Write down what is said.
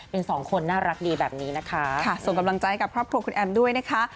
เป็นสองคนน่ารักดีแบบนี้นะคะส่งกำลังใจกับครอบครัวคุณแอมด้วยนะคะ